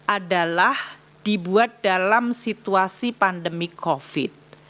adalah dibuat dalam situasi pandemi covid